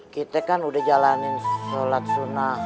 kita kan udah jalanin sholat sunnah